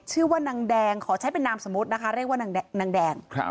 ชื่อว่านางแดงขอใช้เป็นนามสมมุตินะคะเรียกว่านางแดง